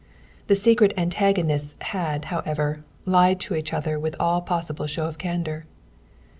The secret antagonists had, however, lied to each other with all possible show of candor.